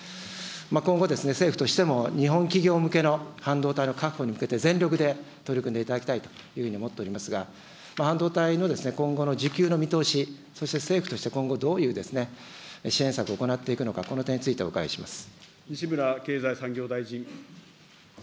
今後、政府としても日本企業向けの半導体の確保に向けて、全力で取り組んでいただきたいというふうに思っておりますが、半導体の今後の需給の見通し、そして政府として今後、どういう支援策を行っていくのか、この点についてお伺いします。